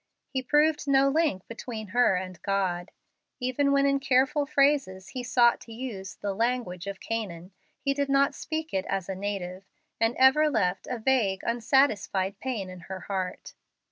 He proved no link between her and God. Even when in careful phrases he sought to use the "language of Canaan," he did not speak it as a native, and ever left a vague, unsatisfied pain in her heart.